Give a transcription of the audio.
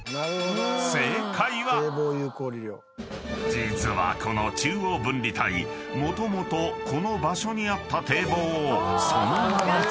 ［実はこの中央分離帯もともとこの場所にあった堤防をそのまま使っている］